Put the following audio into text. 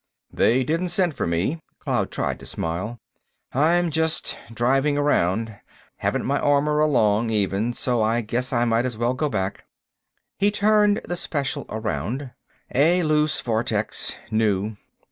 "They didn't send for me." Cloud tried to smile. "I'm just driving around—haven't my armor along, even. So I guess I might as well go back." He turned the Special around. A loose vortex—new.